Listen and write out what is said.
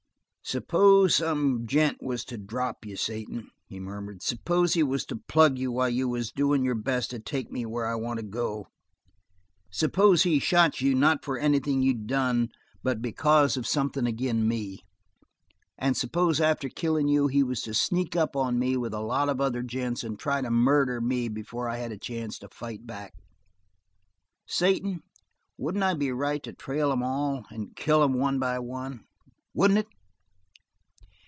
"S'pose some gent was to drop you, Satan," he murmured. "S'pose he was to plug you while you was doin' your best to take me where I want to go. S'pose he shot you not for anything you'd done but because of something agin me. And s'pose after killin' you he was to sneak up on me with a lot of other gents and try to murder me before I had a chance to fight back. Satan, wouldn't I be right to trail 'em all and kill 'em one by one? Wouldn't it?"